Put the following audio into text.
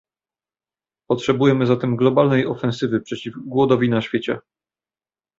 Potrzebujemy zatem globalnej ofensywy przeciw głodowi na świecie